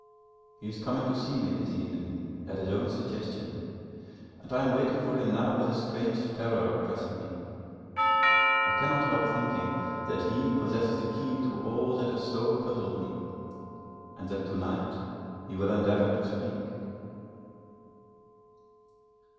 He is coming to see me this evening, at his own suggestion, and I am waiting for him now with a strange terror oppressing me. I cannot help thinking that he possesses the key to all that has so puzzled me, and that to night he will endeavour to speak.